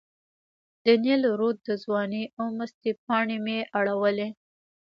د نیل رود د ځوانۍ او مستۍ پاڼې مې اړولې.